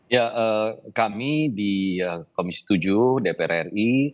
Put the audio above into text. ya kami di komisi tujuh dpr ri